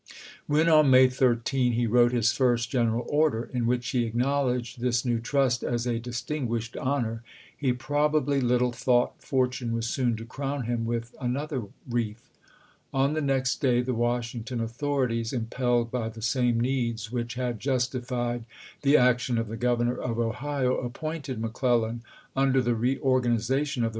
When on May 13 he wrote his first gen eral order, in which he acknowledged this new trust as a " distiDguished honor," he probably little thought fortune was soon to crown him with an other wreath. On the next day the Washington authorities, impelled by the same needs which had justified the action of the Governor of Ohio, ap pointed McClellan, under the reorganization of the Town send to McClel lan, April 30, 1861. W. R. 286 ABRAHAM LINCOLN CHAP.